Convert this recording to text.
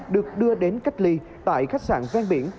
được đưa đến cách ly tại khách sạn ven biển